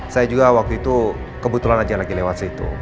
saya juga waktu itu kebetulan aja lagi lewat situ